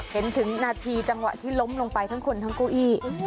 ถึงนาทีจังหวะที่ล้มลงไปทั้งคนทั้งเก้าอี้